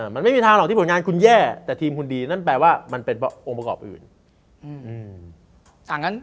มันไม่มีทางหรอกที่ผลงานคุณแย่แต่ทีมคุณดีนั่นแปลว่ามันเป็นองค์ประกอบอื่น